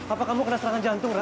apa kamu kena serangan jantung ra